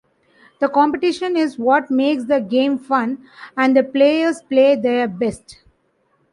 The competition is what makes the game fun and the players play their best.